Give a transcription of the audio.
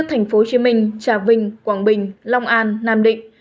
thành phố hồ chí minh trà vinh quảng bình long an nam định